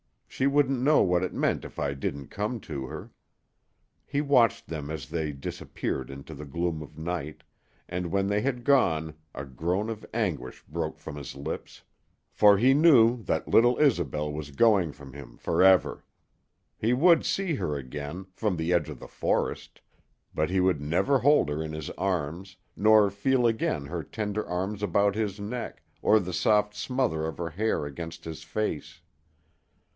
She wouldn't know what it meant if I didn't come to her." He watched them as they disappeared into the gloom of night, and when they had gone a groan of anguish broke from his lips. For he knew that little Isobel was going from him forever. He would see her again from the edge of the forest; but he would never hold her in his arms, nor feel again her tender arms about his neck or the soft smother of her hair against his face.